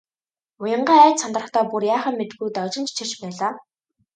Уянгаа айж сандрахдаа бүр яахаа мэдэхгүй дагжин чичирч байлаа.